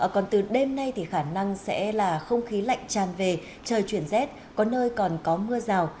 còn từ đêm nay thì khả năng sẽ là không khí lạnh tràn về trời chuyển rét có nơi còn có mưa rào